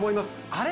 「あれ？